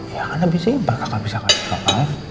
ya kan abis ini bakal kakak bisa kasih kakak